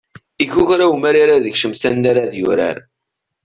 Ikukra umarir ad yekcem s anrar ad yurar.